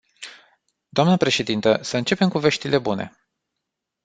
Dnă președintă, să începem cu veștile bune.